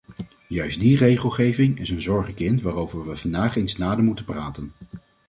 Juist die regelgeving is een zorgenkind waarover we vandaag eens nader moeten praten.